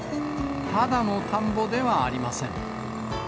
ただの田んぼではありません。